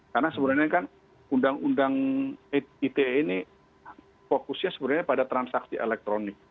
karena sebenarnya kan undang undang ite ini fokusnya pada transaksi elektronik